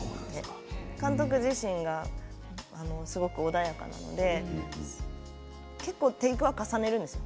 監督自身が、すごく穏やかなので結構、テイクは重ねるんですよ